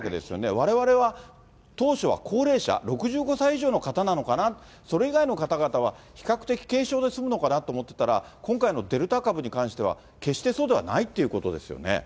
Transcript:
われわれは、当初は高齢者、６５歳以上の方なのかな、それ以外の方々は比較的、軽症で済むのかなと思ってたら、今回のデルタ株に関しては、決してそうではないってことですよね？